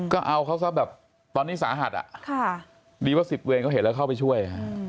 ก็เอาเข้าสอบแบบตอนนี้สาหัสอ่ะดีว่า๑๐เดือนก็เห็นแล้วเข้าไปช่วย